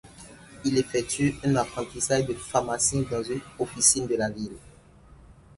Il effectue un apprentissage de pharmacien dans une officine de la ville.